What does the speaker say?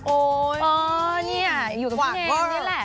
โอ้ยอยู่กับพี่เนมนี่แหละ